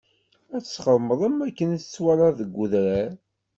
Ad txedmeḍ am akken i t-twalaḍ-t deg udrar.